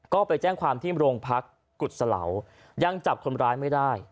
ก็ไปแจ้งความที่โรงพักกุศลายังจับคนร้ายไม่ได้